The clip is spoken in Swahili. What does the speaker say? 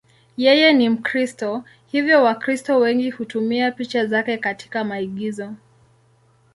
Yeye ni Mkristo, hivyo Wakristo wengi hutumia picha zake katika maigizo.